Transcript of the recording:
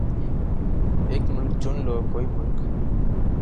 ایک مُلک چُن لو کوئی مُلک